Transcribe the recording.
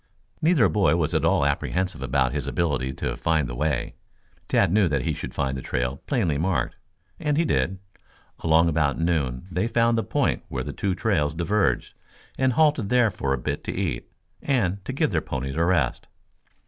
Neither boy was at all apprehensive about his ability to find the way. Tad knew that he should find the trail plainly marked, and he did. Along about noon they found the point where the two trails diverged and halted there for a bit to eat, and to give their ponies a rest.